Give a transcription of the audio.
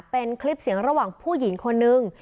เป็นคลิปเสียงระหว่างผู้หญิงคนนึง